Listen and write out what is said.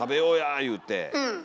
いうて。